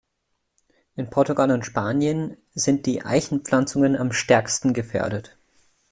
In Portugal und in Spanien sind die Eichenpflanzungen am stärksten gefährdet.